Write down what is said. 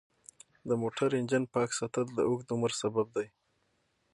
د موټر انجن پاک ساتل د اوږد عمر سبب دی.